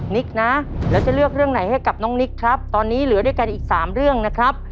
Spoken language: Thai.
นิกนะแล้วจะเลือกเรื่องไหนให้กับน้องนิกครับตอนนี้เหลือด้วยกันอีก๓เรื่องนะครับ